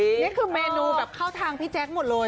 นี่คือเมนูแบบเข้าทางพี่แจ๊คหมดเลย